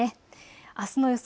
あすの予想